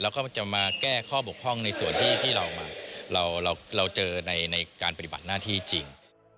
แล้วก็จะมาแก้ข้อบกพร่องในส่วนที่เราเจอในการปฏิบัติหน้าที่จริง